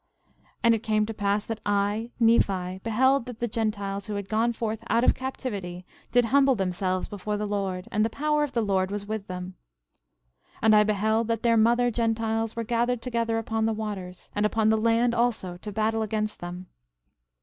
13:16 And it came to pass that I, Nephi, beheld that the Gentiles who had gone forth out of captivity did humble themselves before the Lord; and the power of the Lord was with them. 13:17 And I beheld that their mother Gentiles were gathered together upon the waters, and upon the land also, to battle against them.